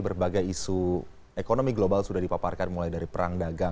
berbagai isu ekonomi global sudah dipaparkan mulai dari perang dagang